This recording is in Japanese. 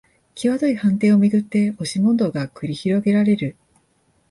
きわどい判定をめぐって押し問答が繰り広げられる